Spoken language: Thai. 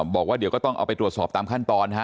บอกว่าเดี๋ยวก็ต้องเอาไปตรวจสอบตามขั้นตอนนะฮะ